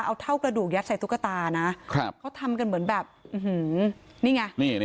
เอาเท่ากระดูกยัดใส่ตุ๊กตานะเขาทำกันเหมือนแบบนี่ไง